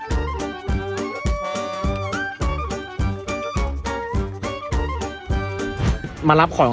เดี๋ยวลองดูอันก็ได้พี่ไม่ว่ามันส่งส่ง